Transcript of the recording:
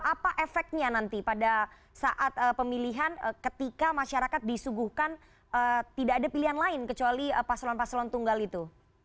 apa efeknya nanti pada saat pemilihan ketika masyarakat disuguhkan tidak ada pilihan lain kecuali paselon paselon tunggal itu